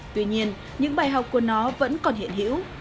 tuy nhiên những bài học của nó vẫn còn hiện hữu